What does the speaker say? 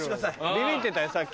ビビってたよさっき。